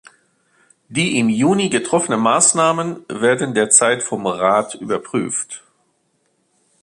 Die im Juni getroffenen Maßnahmen werden derzeit vom Rat überprüft.